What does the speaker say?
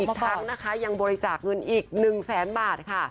อีกทั้งนะคะยังบริจาคเงินอีก๑๐๐๐๐๐บาทค่ะ